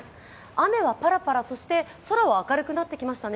雨はパラパラ、そして空は明るくなってきましたね。